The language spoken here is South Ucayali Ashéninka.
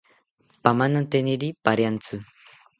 Pamananteniri pariantzi